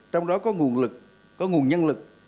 trong đó có nguồn lực có nguồn nhân lực